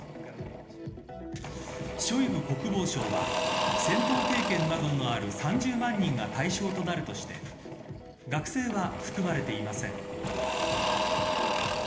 ショイグ国防相は戦闘経験などがある３０万人が対象となるとして学生は含まれていません。